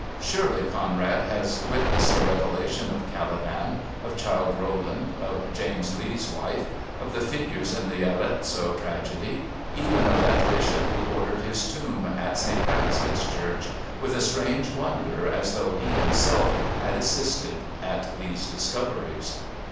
Surely Conrad has witnessed the revelation of Caliban, of Childe Roland, of James Lee's wife, of the figures in the Arezzo tragedy, even of that bishop who ordered his tomb at St Praxed's Church, with a strange wonder as though he himself had assisted at these discoveries!